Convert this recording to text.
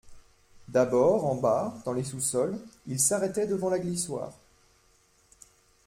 D'abord, en bas, dans les sous-sols, il s'arrêtait devant la glissoire.